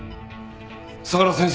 相良先生！